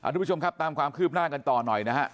ทุกผู้ชมครับตามความคืบหน้ากันต่อหน่อยนะฮะ